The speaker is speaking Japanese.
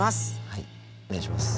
はいお願いします。